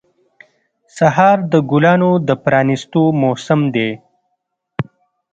سهار د ګلانو د پرانیستو موسم دی.